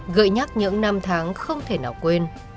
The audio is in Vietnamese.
gợi nhắc những năm tháng không thể nào quên